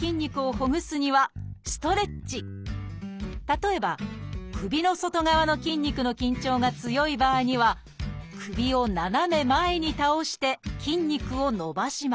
例えば首の外側の筋肉の緊張が強い場合には首を斜め前に倒して筋肉を伸ばします